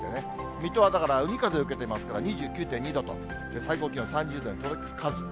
水戸はだから海風受けてますから、２９．２度と、最高気温３０度に届かず。